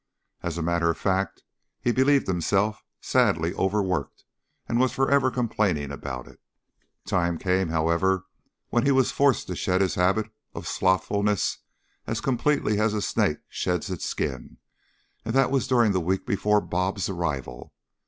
As a matter of fact, he believed himself sadly overworked, and was forever complaining about it. The time came, however, when he was forced to shed his habit of slothfulness as completely as a snake sheds its skin, and that was during the week before "Bob's" arrival.